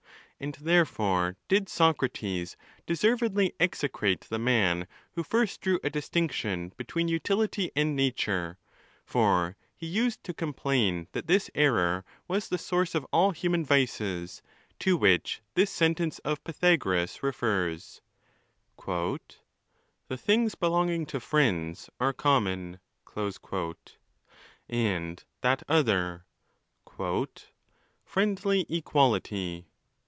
And therefore did Socrates de servedly execrate the man who first drew a distinction between utility and nature, for he used to complain that this error was the source of all human vices, to which this sentence of Pythagoras refers—" The things belonging to friends are common"—and that other, "Friendly equality."